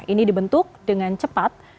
ini dibentuk dengan cepat